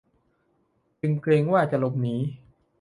จึงเกรงว่าจะหลบหนี